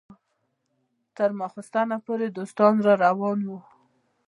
تر ماخستنه پورې دوستان راروان وو.